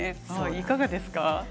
いかがですか？